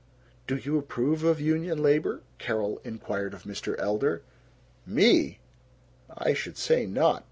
"Do you approve of union labor?" Carol inquired of Mr. Elder. "Me? I should say not!